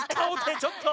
ちょっと！